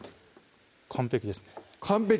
完璧ですね完璧！